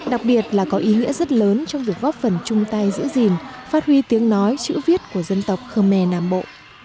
đặc biệt là có ý nghĩa rất lớn trong việc góp phần chung tay giữa rìm phát huy tiếng nói chữ viết của dân tộc khmer nam bộ